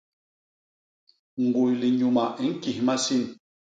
Ñguy linyuma i ñkis masin.